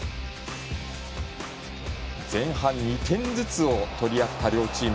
前半２点ずつを取り合った両チーム。